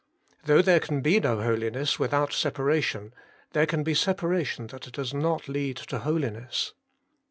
Though there can be no holiness without separation, there can be separation that does not lead to holiness.